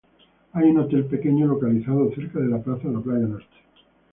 Hay un hotel pequeño localizado cerca de la Plaza en la Playa Norte.